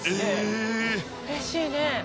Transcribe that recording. うれしいね。